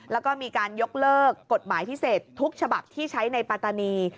แล้วก็มีการยกเลิกกฎหมายพิเศษทุกฉบับที่ใช้ในปัตตานี